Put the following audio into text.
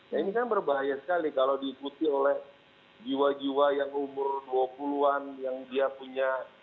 nah ini kan berbahaya sekali kalau diikuti oleh jiwa jiwa yang umur dua puluh an yang dia punya